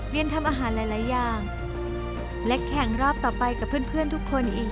เรียนทำอาหารหลายอย่างและแข่งรอบต่อไปกับเพื่อนทุกคนอีก